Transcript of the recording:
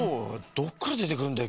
どっからでてくるんだよ